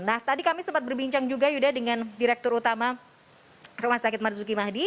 nah tadi kami sempat berbincang juga yuda dengan direktur utama rumah sakit marzuki mahdi